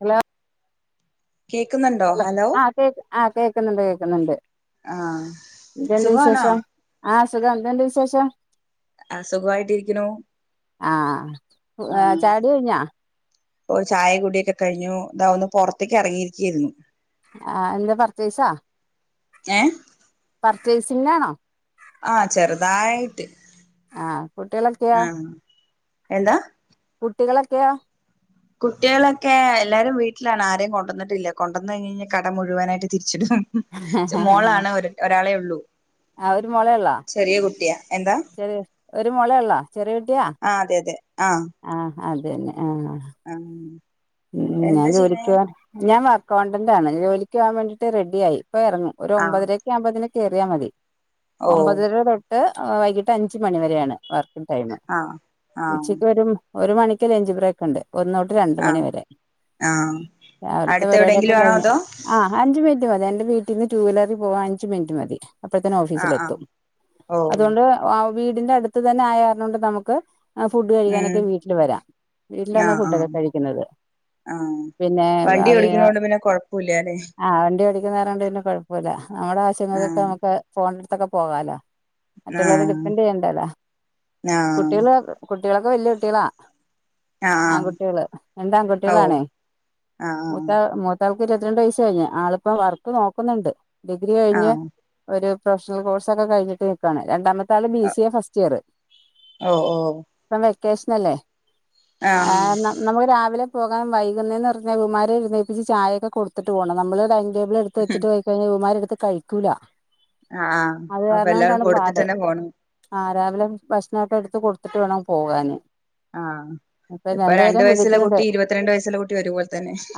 Hello കേക്ക്‌ന്ന്ണ്ടോ hello ആഹ് കേക് ആഹ് കേക്ക്ണ് ണ്ട് കേക്ക്ണ് ണ്ട് ആഹ് സുഖവാണോ ആഹ് സുഖം എന്തുണ്ട് വിശേഷം അഹ് സുഖവായ്ട്ടിരിക്ക്‌ണു ആഹ് എഹ് ചായകുടി കഴിഞ്ഞാ ഓ ചായ കുടിയെക്കെ കഴിഞ്ഞു ഇതാ ഒന്ന് പൊറത്ത്യിക്ക്‌ എറങ്ങിയിരിക്ക്യാര്ന്നു ആഹ് എന്താ പർച്ചേയ്സാ ഏഹ് പർച്ചേയ്സിങ്ങാണോ ആഹ് ചെറ്തായിട്ട് ആഹ് കുട്ടികളൊക്കെയോ എന്താ കുട്ടികളൊക്കെയോ കുട്ടികളൊക്കെ എല്ലാരും വീട്ടിലാണ് ആരേയും കൊണ്ടന്ന്ട്ടില്ല കൊണ്ടെന്ന് കഴിഞ്ഞഴിഞ്ഞാ കട മുഴുവാനായിട്ട് തിരിച്ചിടും ച്ച് മോളാണ് ഒര് ഒരാളെ ഉള്ളൂ ആഹ് ഒര് മോളെയൊള്ളാ ചെറ്യേ കുട്ടിയാ എന്താ ചെറ്യെ ഒരു മോളെ ഒള്ളാ ചെറ്യേ കുട്ടിയാ ആഹ് അതെ അതെ ആഹ് അത് തന്നെ ആഹ് ആണോ ഉം ഉം ഞാൻ ജോലിക്ക്യോവാൻ ഞാൻ വർക് അക്കൗണ്ടെന്റാണ് ജോലിക്കോവാൻ വേണ്ടീട്ട് റെഡ്ഢി ആയി ഇപ്പ എറങ്ങും ഒരു ആഹ് ഒമ്പതരക്ക്യാമ്പോത്തിന് കേറ്യാ മതി ഓ ഒമ്പതര തൊ ട്ട് വൈകിട്ട് അഞ്ച് മണിവരെയാണ് വർക്കിങ് ടൈമ് ആഹ് ആഹ് ഉച്ചക്കൊരു മ് ഒരു മണിക്ക് ലഞ്ച് ബ്രേയ്ക്ക്‌ ഉണ്ട് ഒന്നൊട്ട് രണ്ട് മണി ആഹ് വെരെ ആഹ് രാവിലത്തെ അടുത്ത് പര് വാട്യൊക്കെ എവിടെയെങ്കിലും ആണോ കഴിഞ്ഞ് അതോ ആഹ് അഞ്ച് മിൻറ്റ് മതി എന്റെ വീട്ടീന്ന് ടു വീലറീ പോവാൻ അഞ്ച് മിൻറ്റ് മതി അപ്പത്തന്നെ ഓഫീസില് ആഹ് ആഹ് എത്തും ഓ അതോണ്ട് ആഹ് വീടിന്റെ അട്ത്ത് തന്നെ ആയാർണൊണ്ട് നമുക്ക് ആഹ് ഫുഡ് കഴിക്കാനൊക്കെ ഉം വീട്ടില് വരാം വീട്ടില് വന്നാ ആഹ് ഫുഡൊക്കെ ആഹ് കഴിക്കുന്നത് ആഹ് പിന്നെ വണ്ടി ഓടിക്കുന്നോണ്ട് പിന്നെ കൊഴ്പ്പൂല്ല ലേ ആഹ് വണ്ട്യോടിക്കുന്നാരം കൊണ്ട് പിന്നെ കൊഴ്പ്പൂല്ല നമ്മടെ ആവശ്യങ്ങൾക്കൊക്കെ ആഹ് നമുക്ക് പോണടുത്തൊക്കെ പോകാലോ മറ്റുള്ളോരെ ആഹ് ഡിപൻ്റെയ്യണ്ടല്ല ആഹ് കുട്ട്യാള് കുട്ട്യാളൊക്കെ വെല്ല്യുട്ട്യാളാ ആഹ് ആങ്കുട്ട്യാള് രണ്ടാങ്ക് ഓ ആണെ ആഹ് മൂത്ത മൂത്തൾക്ക് ഇരുപത്തി രണ്ട് വയ്സ്സ് കഴിഞ്ഞു ആളിപ്പ വർക്ക് നോക്കുന്നുണ്ട് ഡിഗ്രി കഴിഞ്ഞ് ആഹ് ഒരു പ്രൊഫഷണൽ കോഴ്സ് ഒക്കെ കഴിഞ്ഞിട്ട് നിക്കുവാണ് രണ്ടാമത് ത്താള് B C A first year ഓഹ് ഓഹ് ഇപ്പം വെക്കേഷനല്ലേ ആഹ് നം നംള് രാവിലെ പോകാൻ വൈകുന്നേന്ന് പർഞ്ഞാ ഇവമ്മാരെ എഴുന്നേപ്പിച്ച് ചായൊക്കെ കൊടുത്തിട്ട് പോകണം നമ്മള് ഡൈനി ടബിളേ എടുത്തു വെച്ചിട്ട് പോയി കഴിഞ്ഞാ ഇവമ്രെമാടുത്ത് കഴിക്കൂല്ല ആഹ് അപ്പെല്ലാം കൊടുത്തിട്ടെന്നെ പോണം ആഹ് രാവിലെ ഭക്ഷണോക്കെ എടുത്ത് കൊടുത്തിട്ട് വേണം പോകാന് ആഹ് ഇപ്പൊ രണ്ടു രണ്ടുപേരും വയസ്സുള്ള വിളിച്ചിട്ടുണ്ട് കുട്ടി ഇരുപത്തിരണ്ട് വയസ്സുള്ള കുട്ടി ഒരുപോൽ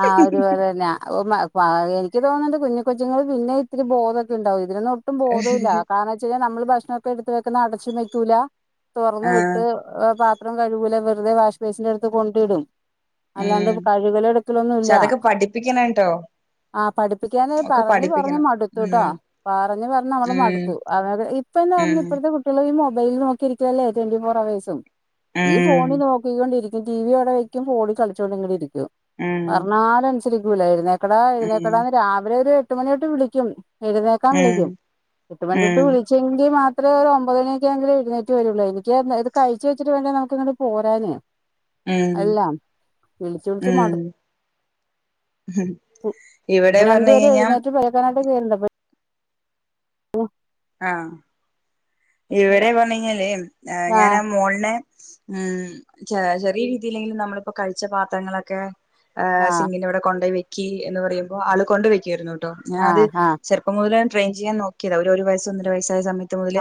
ആഹ് ഒരുപോലെ തന്നാ അപ്പം പ എനിക്ക് തോന്നുന്നത് കുഞ്ഞി കൊച്ചുങ്ങള് പിന്നെ ഇത്തിരി ബോധൊക്കെണ്ടാവും ഇതിനൊന്നും ട്ടും ബോധൊല്ല കാര്ണം വെച്ചേഞ്ഞാ നമ്മള് ഭക്ഷണൊക്കെ എടുത്തത്ത് വെക്കുന്ന അടച്ചും വെയ്ക്കൂല ആഹ് തൊറന്നുവിട്ട് പാത്രം കഴ്കൂല വെറുതെ വാഷ് ബേസിൻ്റെ എടുത്ത് കൊണ്ടിടും അല്ലാണ്ട് ഉം കഴ്കലും പക്ഷെ എടുക്കലൊന്നുല്ല അതൊക്കെ പഠിപ്പിക്കണംട്ടോ ആഹ് പഠിപ്പിക്കാൻ ഒക്കെ പറഞ്ഞു പറഞ്ഞ് പഠിപ്പിക്കണം മടുത്തൂട്ടോ ഉം പറഞ്ഞ പറഞ്ഞ് നമ്മള് ഉം മടുത്തു അതത് ഇ ഇപ്പന്ന് പറഞ്ഞ ഉം ഇപ്പോഴത്തെ കുട്ടികളും ഈ മൊബൈല നോക്കിരിക്കല്ലേ ട്വന്റി ഫോർ അവേഴ്സും ഈ ഉം ഫോണ് നോ കി ക്കൊണ്ടിരിക്കും ടി വി അടെ വയ്ക്കും ഫോണി കളിച്ചോണ്ടിങ്ങനെ ഇരിക്കും ഉം പർഞ്ഞാല് അൻസരിക്കൂല എഴ്നേ കെട ഉം എഴ്ന്നേക്കെടാന്ന് രാവിലെ ഒരു എട്ട് മണിയൊട്ട് വിളിക്കും എഴ്ന്നേക്കാൻ ഉം വിളിക്കും എട്ട് മണി ഒട്ട് ഉം വിള് ചെങ്കി മാത്രേ ഒരു ഒമ്പത് മണിക്ക്യാങ്കിലേ എഴുന്നേറ്റ് വരൊള്ളൂ എനിക്ക് ഇത് കഴിച്ച വച്ചിട്ട് വേണ്ടേ നമുക്ക് ഇങ്ങ്ട് പോരാന് ഉം എല്ലാം വിളിച്ചു വിളിച്ചു മട് ഉം ഇപ്പൊ ഇവിടെ രണ്ടു പറഞ്ഞ് പേര് കഴിഞ്ഞാ എഴുന്നേറ്റ് പല്ലേക്കാനായിട്ട് കേറിണ്ട് ഓഹ് ആഹ് ഇവിടെ പർഞ്ഞഴിഞ്ഞാല് ആ ഞാനാ മോൾനെ ഉം ചെ ചെറിയ രീതില്ലെങ്കിലും നമ്മളിപ്പോ കഴിച്ച പാത്രങ്ങളക്കെ ഏഹ് ആ സിംഗിന്റെ അവിടെ കൊണ്ടയ് വെക്കി എന്ന് പറയുമ്പോ ആള് കൊണ്ട് വെക്ക്യര്ന്നു ട്ടോ ഞാൻ ആ അത് ആ ചെറ് പ്പം മുതലേ ട്രെയിൻ ചിയ്യാൻ നോക്കിതാ ഒരു ഒര് വയസ്സ് ഒന്നര വയസ്സായ സമയത്ത് മുതല്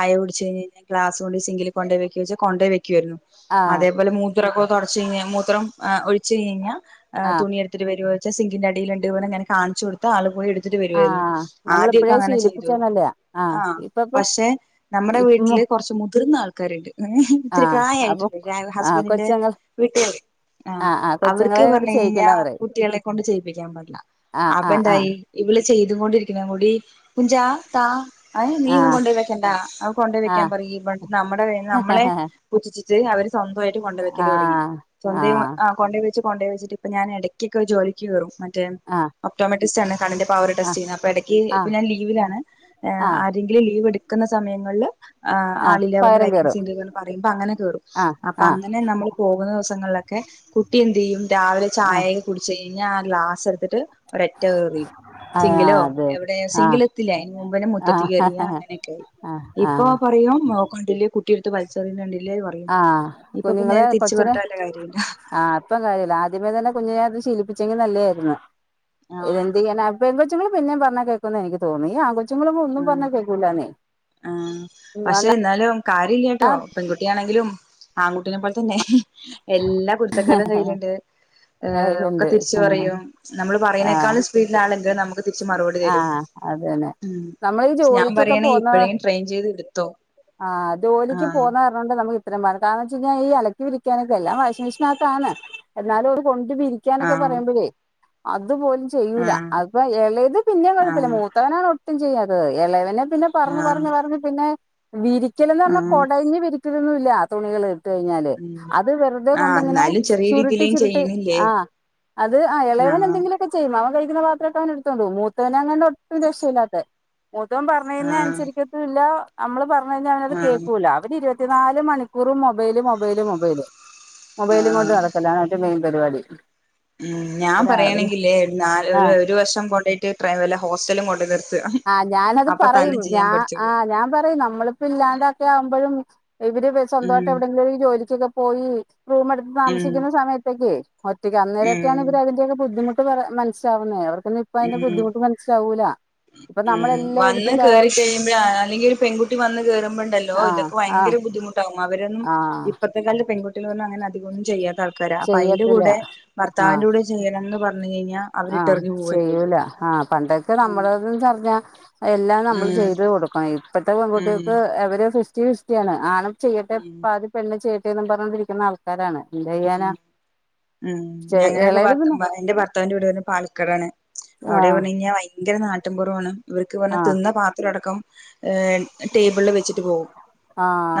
ആയ കുടിച്ചഴ്ഞ്ഞെയ്ഞ്ഞേഞ്ഞാ ഗ്ലാസ് കൊണ്ട് സിങ്കിൽ കൊണ്ടേയ് വെക്കേച്ചാ കൊണ്ടേയ് വെക്ക്വേരുന്നു ആ ആ അതേപോലെ മൂ മൂത്രക്ക തൊടച്ചേഞ്ഞാ മൂത്രം ഏഹ് ഒഴിച്ചേഞ്ഞേഞ്ഞാ ഏഹ് ആ തുണി എ വര്വോച്ചാ സിംഗിന്റെ അടീലിണ്ട് പർഞ്ഞ് ഇങ്ങനെ കാൺച്ചൊട് ത്ത ആള് പോയി എടുത്തിട്ട് ആ വര്വാര്ന്നു ആദ്യൊക്കെ നമ്മളിപ്പോഴേ അങ്ങനെ ചെയ്തു ശീലിപ്പിച്ചാന്നല്ലേ ആ ആഹ് ഇപ്പൊ ഇപ്പൊ പഷെ നമ്മിടെ ഇപ്പൊ വീട്ടില് കൊർച്ച് മുതിർന്നാൾക്കാരിണ്ട് ആ ഇത്തിരി അപ്പൊ പ്രായായ്ട്ടിള്ള ആ ഹസ്ബൻഡിന്റെ കൊച്ചുങ്ങൾ വീട്ടാര് ആ ആഹ് ആ കൊച്ചുങ്ങളെ അവർക്ക് അങ്ങോട്ട് പർഞ്ഞെയ്ഞ്ഞേഞ്ഞാ ചെയ്യിക്കണ്ടെന്ന് പറയും കുട്ട്യാളെ കൊണ്ട് ചെയ്യിപ്പിക്കാൻ പാടില്ല ആ ആ ആ അപ്പെന്തായി ഇവള് ചെയ്തുങ്ങൊണ്ടിരിക്കുന്ന കൂടി കുഞ്ചാ താ ആഹ് നീ ആ ഒന്നും കൊണ്ടയ് വെക്കണ്ടാ അവ കൊണ്ടോ ആ വെക്കാൻ പറുക നമ്മുടെ നമ്മളെ കുത്തിച്ചിട്ട് അവർ സ്വന്തമായിട്ട് കൊണ്ട വെക്കൽ ആ തുടങ്ങി ആ സ്വന്തം ആഹ് കൊണ്ടവെച്ച് കൊണ്ടേവെച്ചി് ഇപ്പം ഞൻ ഇടക്ക് ജോലിക്ക് കേറും മറ്റേ ആഹ് ഓട്ടോമ ടെസ്റ്റ് കണ്ണിന്റെ പവറ് ടെസ്റ്റ് ചെയ്യുന്നത് അപ്പോ ഇടക്ക് ആ ഇപ്പ ഞാൻ ലീവിലാണ് ആ ലീവ് എടുക്കുന്ന സമയങ്ങളില് ആഹ് ആ ആളില്ല അവരുടെ പകരം വേക്കൻസി കേറും ഉണ്ടന്ന് പറയുമ്പോ അങ്ങനെ കേറും ആ അപ്പൊ ആ അങ്ങനെ നമ്മൾ പോകുന്ന ദിവസങ്ങളിലൊക്കെ കുട്ടി എന്ത് ചെയ്യും രാവിലെ ആ ചായയൊക്കെ കുടിച്ച് കഴിഞ്ഞാ ആ ഗ്ലാസ് എ ന്ന് ട്ട് ഒരറ്റ എറി ആ സിംഗിലോ അത് എവിടെ ആ സിങ്കില എത്തില്ല അതിന് മുമ്പനെ ആ മുറ്റത്തി കയറിയ അങ്ങനെയൊക്കെ ആയി ആ ആ ഇപ്പൊ പറയും [unintelligible] കുട്ടിയെടുത്ത് വലിച്ച് എറിയുന്നത് കണ്ടില്ലേ പറയും ആ ഇപ്പൊ ഇപ്പ നേരെ തിരിച്ചു പറഞ്ഞ് ട്ട് വല്ല കാര്യ ഇണ്ട ആഹ് ഇപ്പം കാര്യമില്ല ആദ്യമേ തന്നെ കുഞ്ഞിനത്ത് ശീലിപ്പിച്ചെങ്കി നല്ലതായിരുന്നു ആഹ് ഇതെന്ത് ചെയ്യാ പെൺ കൊച്ചങ്ങൾ പിന്നെ പറഞ്ഞാ കേൾക്ക എനിക്ക് തോന്നി ആണ് ഉം ആ പക്ഷെ എന്നാലും കാര്യമില്ല കേട്ടോ പെൺകുട്ടി കുട്ടിയ ആണെങ്കിലും ആൺകുട്ടിനെ പോലെ തന്നെ എല്ലാ കുരുത്തക്കേടും കയ്യിലുണ്ട് ഒക്കെ ഇതുണ്ട് തിരിച്ച പറയും നമ്മള് ആ പറയതിനേക്കാളും [unintelligible] നമുക്ക് തിരിച്ച് മറുപടി ആ തരും അത് തന്നെ നമ്മൾ ഈ പക്ഷേ ഞാൻ ജോലിക്കൊക്കെ പറയാണെങ്ക പോകുന്ന ഇപ്പഴേ ട്രെയിൻ ചെയ്ത് എടുത്തോ ആഹ് കൊണ്ട് നമുക്ക് ഇത്ര ഭാരം കാരണം ന്ന് വെച്ച് കഴിഞ്ഞാൽ എല്ലാം വാഷിംഗ് മെഷീൻ അകത്ത് ആണ് എന്നാലും അവര് കൊണ്ട് വിരി ക്കാനൊക്കെ ആഹ് പറയുമ്പോഴേ അതുപോലും ചെയ്യൂല ആഹ് അപ്പൊ ഇളയത് പിന്നെ കുഴപ്പല്ല ആഹ് മൂത്തത് മൂത്തവനാണ് ഒട്ടും ചെയ്യാതത് ഇളയ വനെ പിന്നെ പറഞ്ഞഞ് ആഹ് പറഞ്ഞ് പറഞ്ഞ് പിന്നെ വിരിക്കലന്ന് പറഞ്ഞാൽ ആഹ് കൊടഞ്ഞ് വിരിക്കലൊന്നുംല്ല തുണികള് കഴിഞ്ഞാല് ഉം അത് വെറുതെ ആഹ് കൊണ്ടിങ്ങനെ എന്നാലും ചെറിയ ചുരുട്ടി രീതിയിലും ചുരുട്ടി ചെയ്യണില്ലേ ആ അത് ആ ഇളയവൻ ആഹ് എന്തെങ്കിലും ഒക്കെ ചെയ്യും അവൻ കഴിക്കുന്ന പാത്രക്കെ അവന് എടുത്തോണ്ടും പോകും മൂത്തവനാണ് അങ്ങണ്ട് ഒട്ടും രക്ഷയില്ലാത്ത മൂത്തവൻ പറഞ്ഞത് ആഹ് അനുസരിക്കത്ത ഇല്ല നമ്മള് പറഞ്ഞു കഴിഞ്ഞാൽ അവനത് ആഹ് കേൾക്കൂല അവര് ഇരുപ ത്തിനാല് മണിക്കൂറും മൊബൈല് മൊബൈല് മൊബൈല് മൊബൈലും കൊണ്ട് ആഹ് നടക്കല ഓന്റെ മെയിൻ പരിപാടി ഉം ഞാൻ രാവിലെ പറയണമെങ്കില് ആഹ് ഒരു വർഷം കൊണ്ട പോയിട്ട വല്ല ഹോസ്റ്റലും കൊണ്ട നിർ ആഹ് ഞാനത് പറയും ഞാ പഠിച്ചോളും ആഹ് ഞാൻ പറയും നമ്മള് ല്ലാണ്ടൊക്കെ ആവുമ്പോഴും ഇവര് സ്വന്തമായിട്ട് ഉം എവിടെയെങ്കിലും ജോലിക്കൊക്കെ പോയി റൂം എടുത്ത് ഉം താമസിക്കുന്ന സമയത്തൊക്കെ ഒറ്റയ് ഉം അന്നേരൊക്കെയാണ് ഇവര് അതിന്റെ ഒക്ക ബുദ്ധിമുട്ട് മനസി വുന്നത് അവർക്കൊ അപ്പ അതിന്റെ ഉം ബുദ്ധിമുട്ട് മനസിലാവൂല ഉം വന്ന് കേയറിക്കഴിയുമ്പോ അല്ലെങ്കിൽ ഒരു പെൺകുട്ടി വന്ന് കേറുമ്പോണ്ടല്ലോ ആഹ് ഇതൊക്കെ ആഹ് ഭയങ്കര ബുദ്ധിമുട്ട് ആവും അവരന്നും ആഹ് ഇപ്പഴത്തെ കാല പെൺകുട്ടികൾ അങ്ങന അധികൊന്നും ചെയ്യാ ആൾക്കാര അപ്പ അതിന്റെ ചെയ്യത്തില്ല കൂടെ ആഹ് ഭർത്താവിന്റെ കൂടെ ചെയ്യണംന്ന് പറഞ്ഞു കഴിഞ്ഞാൽ അവര് ആഹ് ഇട്ടറിഞ്ഞു പോകും ചെയ്യും ചെയ്യൂല ആഹ് പണ്ടൊക്കെ നമ്മുടെത പറഞ്ഞ എല്ലാം നമ്മൾ ചെയ്ത് കൊടുക്കണം ഇപ്പഴത്തെ ഉം പെൺകുട്ടികൾക്ക് അവര് ഫിസ്റ്റി ഫിസ്റ്റി ആണ് ആണും ചെയ്യട്ടെ ഉം പാതി പെണ്ണ് ചെയ്യട്ടെ എന്നന്ന് പറഞ്ഞോണ്ടിരിക്കുന്ന ആൾക്കാരാണ് ഉം ചെയ്യാനാ ഉം ഞങ്ങനൊക്കെ ഇളയത് പിന്നെ എന്റെ ഭർത്താവിന്റെ വീട് ഇവിടെ പാലക്കടാണ് അവിടെ ആഹ് പറഞ്ഞ കഴിഞ്ഞാൽ ഭയങ്കര നാട്ടിപുർവമാണ് ഇവർക്ക് പറഞ്ഞ ആഹ് തിന്ന പാത്രം അടക്കം ടേബിളിൽ വെച്ചിട്ട് പോകും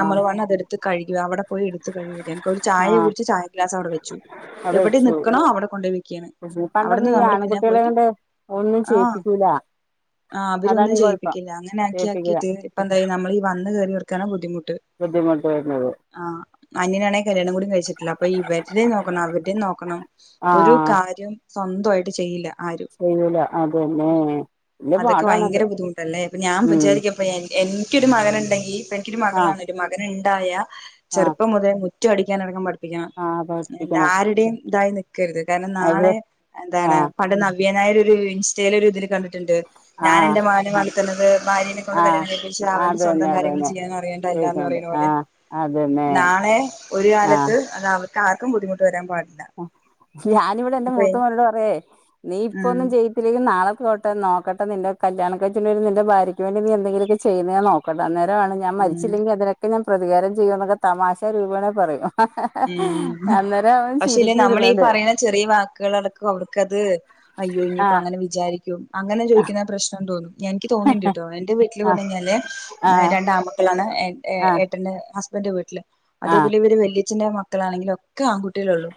നമ്മൾ വണം അതെടു എടുത്ത് കഴുക അവടെ പോയി എടുത്ത് കഴുക ചായെ ആഹ് കുടിച്ചു കഴിഞ്ഞാൽ ചായ ഗ്ലാസ് അവിടെ വെച്ചു അത് എവിടെ വെച്ചു നിക്കണോ അവിടെ കൊണ്ട പോയിക്കുകയാണ് പണ്ടൊന്നും അവിടെന്ന് ഈ നമ്മള് പിന്നെ ആൺകുട്ടികളെ പോയിട്ട് കൊണ്ട് ഒന്നും ആഹ് ചെയ്യിപ്പിക്കൂല ആഹ് അതാണ് അവരൊന്നും ഈ കുഴപ്പം ചെയ്യിപ്പിക്കില്ല അങ്ങനെ ആക്കിയ ചെയ്യിപ്പിക്കൂല ആക്കിട്ട് ഇപ്പ എന്തായ നമ്മൾ ഈ വന്ന് ക കേറിയവർക്കാണ് ബുദ്ധിമുട്ട് ബുദ്ധിമുട്ട് വര്ന്നത്. ആ് അനിയനാണെ കല്യാണം കൂടി കഴിച്ചിട്ടില്ല അപ്പൊ ഇവര്‌ടേം നോക്കണം അവര്ടേം നോക്കണം. ഒരു ആഹ് കാര്യം സ്വന്തായിട്ട് ചെയ്യില്ല. ചെയ്യൂല അതെന്നെ. ഐം. അതൊക്കെ ഭയങ്കര ബുദ്ധിമുട്ടല്ലേ അപ്പൊ ഞാൻ ഉം വിചാരിക്കപ്പ എനിക്കൊരു മകനുണ്ടെങ്കി ഇ എനിക്കൊരു ആഹ് മകളാണ്. മകൻുണ്ടായ ആഹ് ചെറുപ്പം മുതൽ മുറ്റ അടിക്കാാനടക്കം പടിപ്പിക. ആഹ് എന്താ പഠിപ്പിക്കണം ആരുടെയും ഇതായി നിക്കരുത് കാരണം അവിടെ നാളെ എന്താണ്. ആഹ് പണ്ട് നവ്യനായര് ഒരു ഇൻസ്റ്റേല് ഒരു ഇതില് കണ്ടിട്ടുണ്ട് ഞാൻ ആഹ് എന്റെ മകനെ നടത്തുന്നത് ഭാര്യനേ. ആഹ് കല്യാണം കഴിച്ച അവൻ അതന്നെ സ്വന്തം കാര്യങ്ങൾ അതന്നെ ചെയ്യാനും അറിയണ്ടല്ലന്ന് ചോയിക്കണ്ട് പറയുന്നത് പോലെ ആഹ് അതന്നെ നാളെ. ഒരു ആഹ് കാലത്ത് അത് അവർക്കാർക്കും ബുദ്ധിമുട്ട് വരാൻ പാടില്ല. ഞാനിവിടെ എന്റെ ഇപ്പൊ മൂത്തമോനോട് പറയേ നീ ഇപ്പ ഉം ഒന്നും ചെയ്. ഇതിേക്ക് നാളെട്ട നോട്ടെ നിന്റെ കല്യാണംഴച്ചുണ്ട നിന്റെ ഭാര്യയ്ക്ക് വേണ്ടി നീ എന്തങ്കിലൊക്ക. ചെയ്യുന്നത നോക്കോ ഒക്കെ അന്നേരമാണ് ഞാൻ ഉം മരിച്ചില്ലെങ്കിൽ അതിനൊക്കെ ഞാൻ പ്രകാരം ചെയ്യുമ എന്നൊക്കെ തമാശ രൂപണെ പറയും. ഹ ഹ ഹ അന്നേരവൻ. ല്ലേ നമ്മളീ പറയുന്ന ചെറിയ വാക്കുകളടക്കും അവർക്കത് അയ്യോ ഇഞ്ഞ ഇപ്പൊ ആഹ് അങ്ങനെ വിചാരിക്കും. അങ്ങനെ ചോദിക്കുന്ന പ്രശ്നം തോന്നും എനിക്ക് തോന്നിണ്ടിട്ടോ എന്റെ വീട്ടില് ആഹ് പറഞ്ഞ കഴിഞ്ഞാല് ആഹ് രണ്ടാൺ ക്കുട്ടി. മള ആഹ് ഏട്ടന്റെ ഹസ്ബൻന്റെ വീട്ടില് ആഹ് അതേപോലെ ഇവര് വല്യച്ഛന്റെറെ മക്കളാണെങ്കിലും ഒക്കെട്ട ആൺ. ലുള്ളൂ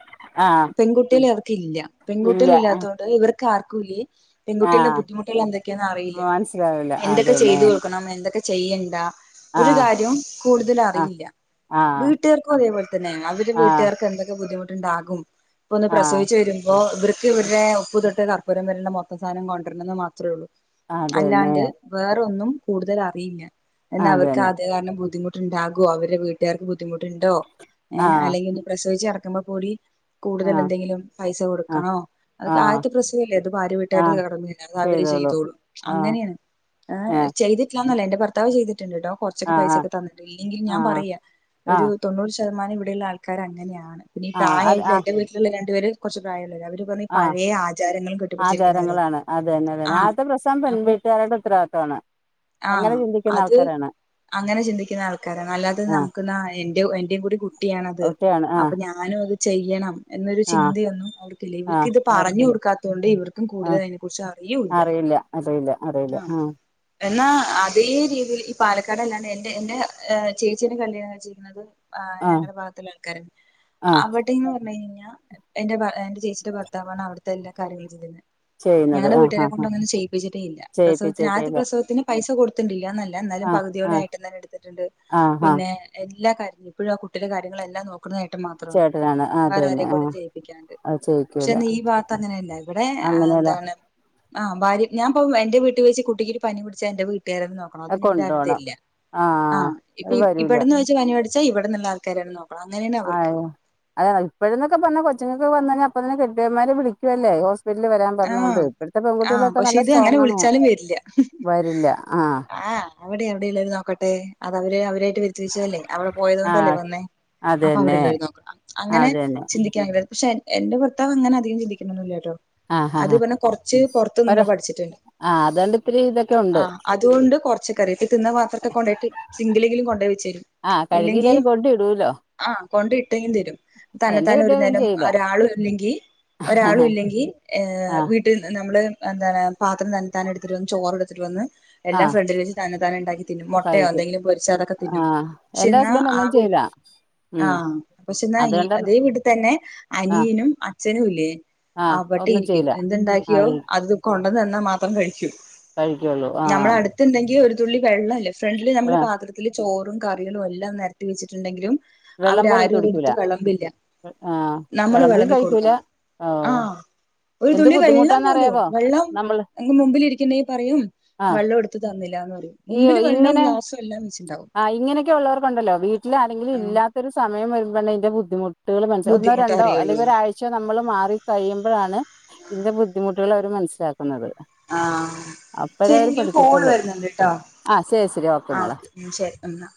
ആഹ് പെൺകുട്ടികൾ അവർക്ക് ഇല്ല ഇല്ല പെൺകുട്ടികൾ ഇല്ലാത്തോണ്ട് ഇവർക്ക് ആർക്കുംല്ലേ. പെൺകുട്ടികളുടെ ആഹ് ബുദ്ധിമുട്ടുകൾ എന്തൊക്കെയാന്ന് അറിയില്ല മനസ്സിലാവില്ല എന്തൊക്കെ അതന്നെ ചെയ്ത് കൊടുക്കണം എന്തൊക്കെ ചെയ്യണ്ട. ഒരു ആഹ് കാര്യവും കൂടുതല ആഹ് അറിയില്ല ആഹ് വീട്ടുകാർക്കും അതേപോലെ തന്നെ അവടെ ആഹ് വീട്ടുകാർക്ക്. എന്തൊക്കെ ബുദ്ധിമുട്ടുണ്ടാകും ഇല്ലാ ഒന്ന് ആഹ് പ്രസവിച്ചു വരുമ്പോ ഇവ. ഇവരുടെ ഉപ്പു തൊട്ട് കർപ്പൂരം വരുള്ള മൊത്തം സാധനം കൊണ്ടുവരണംന്ന് മാത്രേള്ളൂ അതന്നെ അല്ലാണ്ട്. വേറൊന്നും കൂടുതൽ അറിയില്ല എന്നെ അവർക്ക് അതന്നെ ആദ്യ കാരണം ബുദ്ധിമുട്ട്. ണ്ടാകോ അവരെ വീട്ടുകാർക്ക് ബുദ്ധിമുട്ടുണ്ടോ? ഏ ആഹ് അല്ലെങ്കിൽ പ്രസവിച്ച് കിടക്കുമ്പോ കൂടി കൂടുതൽ ആഹ് എന്തെങ്കിലും പൈസ ആഹ് കൊടുക്കണോ? അതക്ക ആഹ് ആദ്യത്തെ പ്രസ്വമല്ലേ അത് ഭാര്യ വീട്ടാര ആഹ് കടന്നില്ല അത് അവര് ചെയ്തോളൂ ചെയ്തോളും ആഹ് അങ്ങനെയാണ്. ആ ഏഹ് ചെയ്തി. ന്നല്ലേ എന്റെ ഭർത്താവ് ചെയ്ട്ടുണ്ട് കേട്ടോ കുറച്ചൊക്കെ ആഹ് പൈസയൊക്കെ തന്നട്ടണ്ട് ഇല്ലെങ്കിൽ ഞാൻ ആഹ് പറയാ ഒരു. ആഹ് തൊണ്ണൂറ് ശതമാനം ഇവിടെയള്ള ആൾക്കാാര് അങ്ങനെയാണ് പിന്ന ഈ ആഹ് അത് പ്രായമായിട്ടില്ല ആഹ് എ്റെ വീട്ടിലുള്ള രണ്ടുപേര് കുറച്ച് പ്രായമുള്ളര് അവര്. ആഹ് പഴയ ആചാരങ്ങളൾ കെട്ടിപിടിച്ചിരിക്കുന്നവരാ ആചാരങ്ങളാണ് അതന്നെ ആ അതന്നെ ആദ്യത്തെ പ്രസവം പെൺ അപ്പൊ. വീട്ടുകാരുടെ ഉത്തരവാദിത്തമാണ് ആഹ അങ്ങനെ ചിന്തിക്കുന്ന അത്. ആൾക്കാരാണ് അങ്ങനെ ചിന്ക്കുന്ന ആൾക്കാരാണ് അല്ലാതെ ആഹ് നമുക്ക് എ എന്റെറെ കൂടി കൂട്ടിയ. ക്കണത് ഒക്കെയാണ് അപ്പൊ ആഹ് ഞാനും അത് ചെയ്യണം. എന്നൊരു ആഹ് ചിന്തയൊന്നും അവർക്കില്ല ഇവർക്ക് ആഹ് ഇത് പറഞ്ഞു അവർക്കില്ല കൊടുക്കാത്തത് കൊണ്ട് ഇവർക്കും കൂടുതൽ ആഹ് അതിനെ കുറിച്ച് അറിയൂല്ല. അറിയില്ല അറിയില്ല അറിയില്ല ആഹ് ആ. എന്നാ അതേ രീതിയിൽ ഈ പാലക്കാട് അല്ലാണ്ട് എന്റെ എ ചേച്ചിയന്റെ കല്യാണം. ഞുടെ ആഹ് ഞങ്ങളെ ഭാഗത്ത്ള്ള ആൾക്കാരാ. ആഹ് അവിടേന്ന് പറഞ്ഞ കഴിഞ്ഞ എന്റെ എന്റെ ചേച്ചിയുടെ ഭർത്താവാണ് അവിടുത്തെ എല്ല കാര്യങ്ങളൾ. ചെയ്തുന്നത് ചെയ്യുന്നത് ഞങ്ങളുടെ ആഹ് വീട്ടുകാരെ ആഹ് കൊണ്ട് ആഹ് അങ്ങനെ ചെയ്യിപ്പിച്ചിട്ടേ ഇല്ല പ്രസവത്തിന് ആദ്യ ചെയ്യിപ്പിച്ചിട്ടില്ല പ്രസവത്തിന്. പൈസ കൊടുത്തിണ്ടില്ലന്നല്ല എന്നാലും ആഹ് പകുതിയോളം ആഹ് ഏട്ട് ൻ തന്നെ എടുത്തിട്ടുണ്ട് ആഹ് ആഹ് പിന്നെ പ എല്ലാ കാര്യങ്ങളും ഇപ്പോഴും ആ കുട്ടിലെ കാര്യങ്ങളെല്ലാം നോക്കുന്ന ഏട്ടൻ മാത്രമാണ് ചേട്ടനാണ് വേറെ അതന്നെ ആരെേക്കൊണ്ടും ആഹ് ചെയ്യിപ്പിക്കാണ്ട്. അത് പക്ഷെ ചെയ്യിക്കൂല ഈ ഭാഗത്ത അങ്ങനെയല്ല ഇവിടെ അങ്ങനെയല്ല എന്താണ്. ആ ഭാര്യ ഞാൻപ്പ എന്റെ വീട്ടി വച്ച് കുട്ടിക്ക് ഒരു പനി പിടിച്ചാ എന്റെ വീട്ടുകാരെന്നെ നോ. ആഹ് അതിനിവരാരും കൊണ്ടോണം തെരില്ല ആഹ് അത് ഇപ്പൊ വരൂല ഇവിടെന്ന് വെച്ച് പനി പിടിച്ചാ ഇവിടെന്നുള്ള ആൾക്കാര നോക്ക ആഹ് അത് ഇപ്പോഴന്നൊക്കെ പറഞ്ഞ കൊച്ചിങ്ങൾക്ക് വന്നെ അപ്പ തന്നെ കെട്ടിയന്മാരെ വിളിക്കുവല്ലേ. വല് വരാൻ ആ പറഞ്ഞൊണ്ട് ഇപ്പോഴത്തെ ആ പെൺകുട്ടികളൊക്കെ പക്ഷെ നല്ല ഇത് അങ്ങനെ സ്ട്രോങാണ് വിളിച്ചാലും വരില്ല വരില്ല ആഹ്. അവിടെ എവിടെള്ളോല് നോക്കട്ടെ അത് അവര് അവരായിട്ട് വരുത്തി വെച്ചതല്ലേ അവിടെ പോയതോണ്ടല്ലേ ആഹ് വന്നേ. അപ്പൊ അതന്നെ അവിടെല്ലോല് നോക്കണം അങ്ങനെ അതന്നെ ചിന്തിക്കാൻകില് പക്ഷെ. എന്റെ ഭർത്താവ് അങ്ങനധികം ചിന്തിക്കണൊന്നില്ലാട്ടോ. ആഹ് അത് ആഹ് പിന്നെ കൊറച്ച് പൊറത്ത് ഒര നിന്ന് പഠിച്ചിട്ടുണ്ട് ആഹ് അതുകൊണ്ട് ഇത്തിരി ഇതൊക്കെ ഉണ്ട് ആഹ് അതുകൊണ്ട് കൊറച്ചക്കറിം, തിന്ന പാത്രൊക്കെ കൊണ്ടൊയിട്ട് സിങ്കിലെങ്കിലും കൊണ്ടൊയി വെച്ച് ആഹ കഴുകില്ലേലും കൊണ്ട് ഇടൂല്ലോ. ആഹ് കൊണ്ട് ഇട്ടെങ്കി തരും, തന്നെ എന്റെ താനെ ഒരു കെട്ടിയോനൊന്നും നേരം ചെയ്യില്ല ഒരാളു ഇല്ലെങ്കി ഒരാള ഇല്ലെങ്കിൽ ഏഹ് ആഹ് വീട്ട- നമ്മള് എന്ത പാത്രം തന്നത്താനെ എടുത്തിട്ട് വന്ന്, ചോറെടുത്തിട്ട് വന്ന് എല്ലാം ആഹ് ഫ്രണ്ടിൽ വെച്ച് തന്നതാനെ ണ്ടാക്കി തിന്നും, മൊട്ടയോ കഴിക്കും എന്തെങ്കിലും പൊരിച്ച് അതൊക്കെ തിന്നും ആഹ് പക്ഷെ എന്റെ എന്നാ ഹസ്ബൻഡ് ആ ഒന്നും വീട്ട് ചെയ്യില്ല ഉം ആഹ്, പക്ഷെന്നാ ഈ അതുകൊണ്ട് അതേ വീട്ടി തന്നെ ആഹ് അനിയനും അച്ഛനും ഇല്ലേ. ആഹ് [unintelligible] [unintelligible] എന്ത്ണ്ടാക്കിയോ ആഹ് അത് കൊണ്ടെന്ന് തന്നാ മാത്രം കഴിക്കും കഴിക്കുള്ളൂ ആഹ് ത്ണ്ടെങ്കി ഒരു തുള്ളി വെള്ളല്ലേ ഫ്രണ്ടില് നമ്മള് പാത്രത്തി ത്തില് ചോറും കറികളും എല്ലാം നെരത്തി വെച്ചിട്ടുണ്ടെങ്കിലും വെള്ളം പോലും എടുത്തു അവരാരും കുടിക്കൂല, അതെടുത്ത് വെളമ്പില്ല ആഹ് നമ്മള് വെളമ്പിം വിളമ്പി കഴിക്കൂല. കൊടുക്കണം ആഹ് ഒരു എന്ത് തുള്ളി വെള്ളം പോലും ബുദ്ധിമുട്ടാന്നറിയാവോ വെള്ളം നമ്മള് അങ്ങ് മുമ്പിലിരിക്കുണ്ടെങ്കി പറയും ആഹ് വെള്ളോടുത്ത് തന്നില്ലാന്ന് പറയും, ഈ മുമ്പില് വെള്ളോം ഇങ്ങനെ ഗ്ലാസും എല്ലാം വെച്ചിണ്ടാവും. ട്ടിലാരെങ്കിലും, ആഹ് ഇല്ലാത്ത ഒരു സമയം വ രുമ്പോ ആണ് അതിന്റെ ബുദ്ധിമുട്ട്കള് മനസ്സിലാവുന്നെ, ഒന്നോ ബുദ്ധിമുട്ട് രണ്ടോ അറിയുള്ളൂ അല്ലെങ്കിൽ ഒരാഴ്ച ചോ നമ്മള് മാറി കഴിയുമ്പഴാണ് ഇതിന്റെ ബുദ്ധിമുട്ടുകളവര് മനസ്സിലാക്കുന്നത് ആഹ് അപ്പഴേ ശരി അവര് എനിക്കൊരു കോള് പഠിക്കത്തൊള്ള്, വരുന്നുണ്ട് ട്ടോ ആഹ് ശരി ശരി ഓക്കെ മോളെ ഉം, ശരി എന്നാ